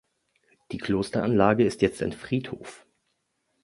Die Klosteranlage ist jetzt ein Friedhof.